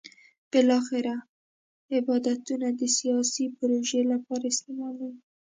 بالاخره عبادتونه د سیاسي پروژې لپاره استعمالېږي.